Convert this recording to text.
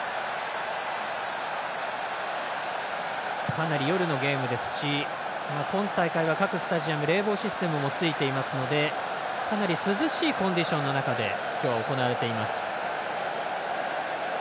かなり夜のゲームですし今大会は各スタジアム冷房システムもついていますのでかなり涼しいコンディションの中で今日は行われています。